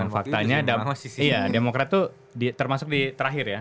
faktanya demokrat itu termasuk di terakhir ya